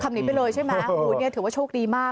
เข้าไปเลยใช่ไหมคู่นี้ถือว่าโชคดีมาก